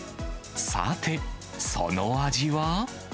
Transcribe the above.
さて、その味は？